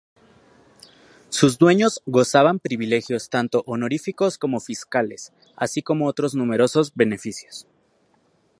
Sus dueños gozaban privilegios tanto honoríficos como fiscales así como otros numerosos beneficios.